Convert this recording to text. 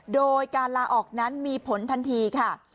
โดยการลาออกนั้นมีผลทันทีค่ะ